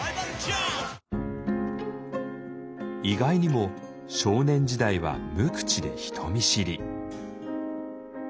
意外にも少年時代は無口で人見知り。